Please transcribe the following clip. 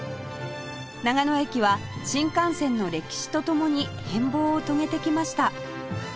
長野駅は新幹線の歴史と共に変貌を遂げてきました